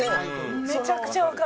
めちゃくちゃわかる！